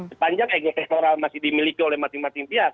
sepanjang ego sektoral masih dimiliki oleh masing masing pihak